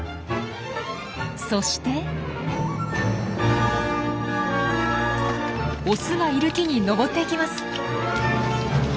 そしてオスがいる木に登っていきます。